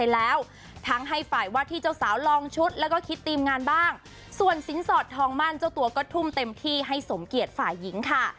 แล้วทั้งให้ฝ่ายวาดที่เจ้าสาวลองชุดแล้วก็คิดตรีมงานบ้างส่วนศีลสอดทองมั่นเจ้าตัวก็ทุ่มเต็มทีให้สมเกียจฝ่ายหญิงค่ะ